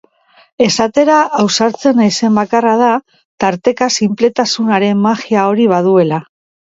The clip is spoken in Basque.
Esatera ausartzen naizen bakarra da tarteka sinpletasunaren magia hori baduela.